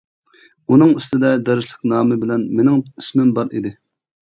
ئۇنىڭ ئۈستىدە دەرسلىك نامى بىلەن مېنىڭ ئىسمىم بار ئىدى.